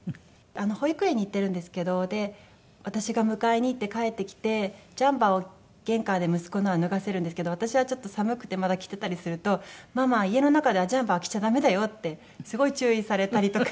保育園に行ってるんですけど私が迎えに行って帰ってきてジャンパーを玄関で息子のは脱がせるんですけど私はちょっと寒くてまだ着てたりすると「ママ家の中ではジャンパー着ちゃダメだよ」ってすごい注意されたりとか。